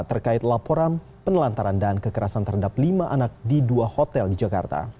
terkait laporan penelantaran dan kekerasan terhadap lima anak di dua hotel di jakarta